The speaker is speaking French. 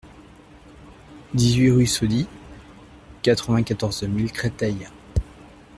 dix-huit rue Soddy, quatre-vingt-quatorze mille Créteil